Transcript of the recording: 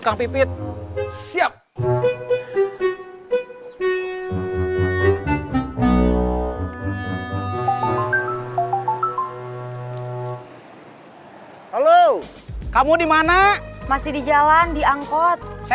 kang murad mau bertanding sama kang murad